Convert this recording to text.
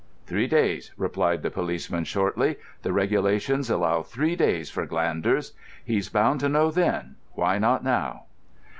"Three days," replied the policeman shortly. "The regulations allow three days for glanders. He's bound to know then—why not now?"